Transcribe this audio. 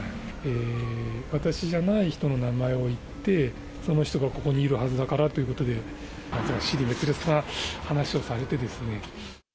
私じゃない人の名前を言って、その人がここにいるはずだからということで、支離滅裂な話をされてですね。